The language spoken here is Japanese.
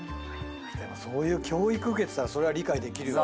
でもそういう教育受けてたらそれは理解できるよね。